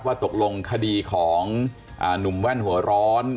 ตกลงคดีของหนุ่มแว่นหัวร้อน